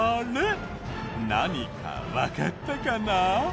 何かわかったかな？